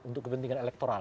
untuk kepentingan elektoral